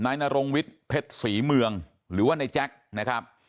นายนโรงวิทย์เผ็ดศรีเมืองหรือว่าในแจ๊คนะครับ